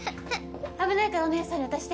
危ないからお姉さんに渡して。